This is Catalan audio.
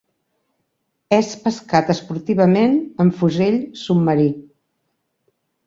És pescat esportivament amb fusell submarí.